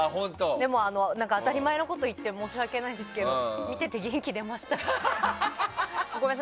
でも、当たり前のこと言って申し訳ないですけど見てて元気出ましたね。